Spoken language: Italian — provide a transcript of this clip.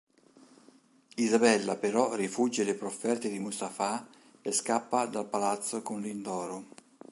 Isabella però rifugge le profferte di Mustafà e scappa dal palazzo con Lindoro.